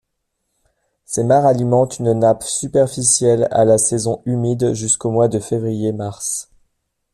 Ces mares alimentent une nappe superficielle à la saison humide jusqu’au mois de février-mars.